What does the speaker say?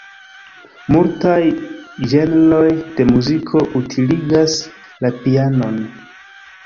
Multaj ĝenroj de muziko utiligas la pianon.